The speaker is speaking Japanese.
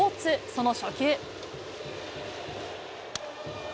その初球。